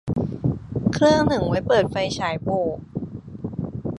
เครื่องนึงไว้เปิดไฟฉายโบก